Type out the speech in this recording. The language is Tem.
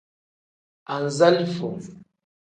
Anzalifo.